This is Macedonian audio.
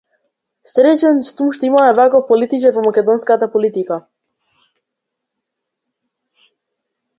Среќен сум што имаме ваков политичар во македонската политика.